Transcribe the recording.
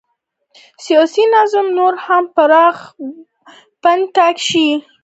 سیاسي نظام نور هم پراخ بنسټه شي.